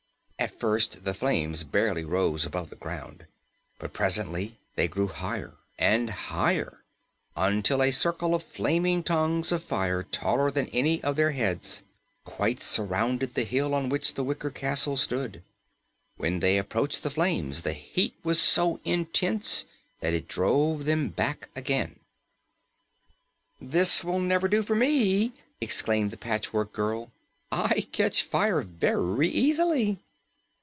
At first, the flames barely rose above the ground, but presently they grew higher and higher until a circle of flaming tongues of fire taller than any of their heads quite surrounded the hill on which the wicker castle stood. When they approached the flames, the heat was so intense that it drove them back again. "This will never do for me!" exclaimed the Patchwork Girl. "I catch fire very easily."